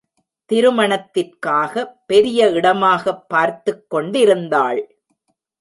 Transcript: திருமணத்திற்காக பெரிய இடமாக பார்த்துக் கொண்டிருந்தாள்.